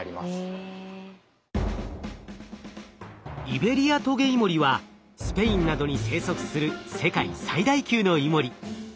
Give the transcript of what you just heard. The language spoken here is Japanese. イベリアトゲイモリはスペインなどに生息する世界最大級のイモリ。